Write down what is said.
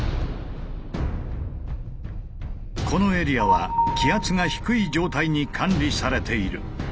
このエリアは気圧が低い状態に管理されている。